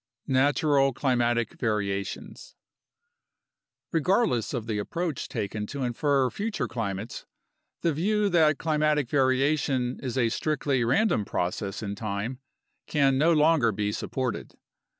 Natural Climatic Variations Regardless of the approach taken to infer future climates, the view that climatic variation is a strictly random process in time can no longer be supported.